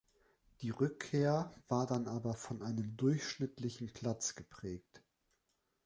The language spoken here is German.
Die Rückkehr war dann aber von einem durchschnittlichen Platz geprägt.